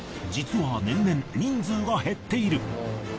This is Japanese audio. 実は年々人数が減っている。